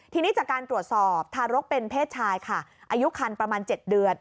ทีนี้จากการตรวจสอบทารกเป็นเพศชายค่ะอายุคันประมาณ๗เดือน